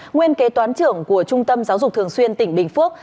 nguyên kế toán trưởng của trung tâm giáo dục thường xuyên tỉnh bình phước